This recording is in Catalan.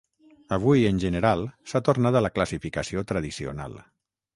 Avui, en general, s'ha tornat a la classificació tradicional.